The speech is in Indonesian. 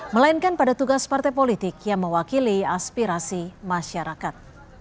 melainkan pada tugas partai politik yang mewakili aspirasi masyarakat